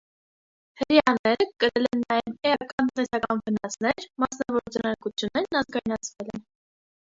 Հրեաները կրել են նաև էական տնտեսական վնասներ. մասնավոր ձեռնարկություններն ազգայնացվել են։